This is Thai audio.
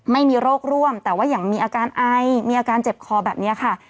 ไม่มีโรคร่วมแต่ว่ายังมีอาการไอมีอาการเจ็บคอแบบนี้ค่ะ